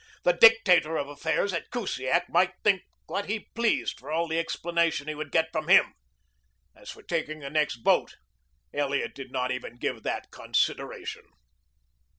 The dictator of affairs at Kusiak might think what he pleased for all the explanation he would get from him. As for taking the next boat, Elliot did not even give that consideration.